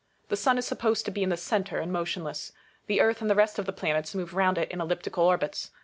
The sun is supposed to be in the centre, and motionless ; the earth and the rest of the planets move round it in elliptical orbits.